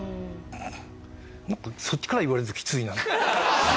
そっちから言われるときついな。